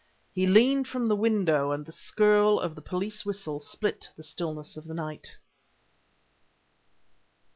He leaned from the window and the skirl of a police whistle split the stillness of the night.